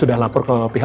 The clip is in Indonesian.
dan kita untuk berbicara